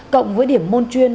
cộng với điểm môn chuyên